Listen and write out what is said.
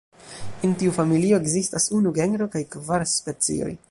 En tiu familio ekzistas unu genro kaj kvar specioj.